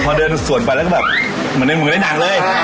พอเดินสวนไปแล้วก็แบบเหมือนในมือในหนังเลย